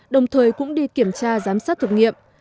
đồng thời cũng đi kiểm tra giám sát thực nghiệm